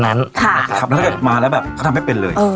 ถ้าเกิดมาแล้วแบบเขาทำให้เป็นเลย